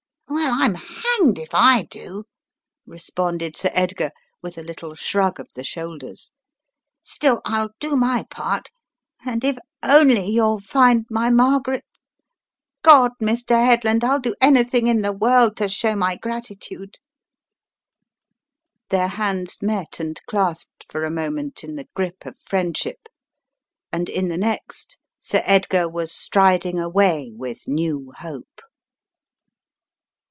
"Well, I'm hanged if I do," responded Sir Edgar, with a little shrug of the shoulders, "still, I'll do my part. And if only you'll find my Margaret — Godl Mr. Headland, I'll do anything in the world to show my gratitude!" Their hands met and clasped for a moment in the grip of friendship and in the next, Sir Edgar was striding away with new hope.